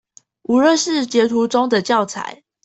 無論是截圖中的教材